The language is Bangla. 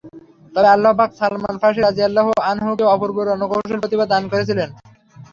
তবে আল্লাহ্ পাক সালমান ফার্সী রাযিয়াল্লাহু আনহু-কে অপূর্ব রণকুশল প্রতিভা দান করেছিলেন।